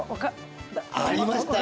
ありましたよ！